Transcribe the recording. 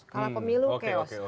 kalah pemilu chaos